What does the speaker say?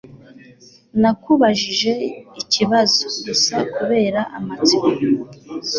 Nakubajije ikibazo gusa kubera amatsiko.